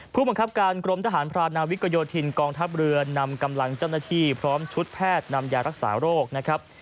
ผู้บังคับการกรมทหารพรานาวิกโยธินกองทัพเรือนำกำลังเจ้าหน้าที่พร้อมชุดแพทย์นำยารักษาโรคนะครับ